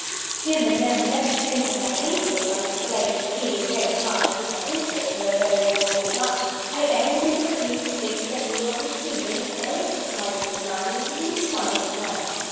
"Dear madam, don't say that I hate you!" I exclaimed (feeling very much as if I did hate her, though, for all that). "I only presume to think that you are confusing a delicate minded man with a weak minded man.